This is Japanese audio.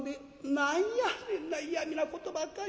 「何やねんな嫌みなことばっかり。